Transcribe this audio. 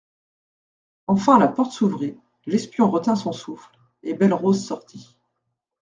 Enfin la porte s'ouvrit, l'espion retint son souffle, et Belle-Rose sortit.